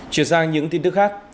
chuyển sang những tin tức khác